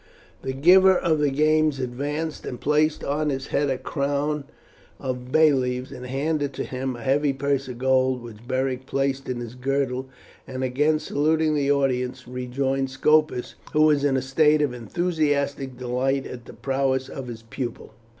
The giver of the games advanced and placed on his head a crown of bay leaves, and handed to him a heavy purse of gold, which Beric placed in his girdle, and, again saluting the audience, rejoined Scopus, who was in a state of enthusiastic delight at the prowess of his pupil.